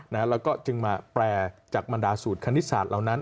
แล้วก็จึงมาแปลจากบรรดาสูตรคณิตศาสตร์เหล่านั้น